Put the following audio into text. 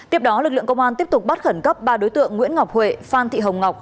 tiếp đó lực lượng công an tiếp tục bắt khẩn cấp ba đối tượng nguyễn ngọc huệ phan thị hồng ngọc